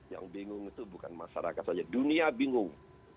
yang bingung itu bukan masyarakat saja dunia bingung